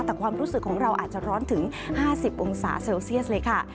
แต่ความรู้สึกของเราอาจจะร้อนถึง๕๐องศาเซลเซียสเลยค่ะ